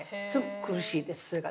苦しいですそれが。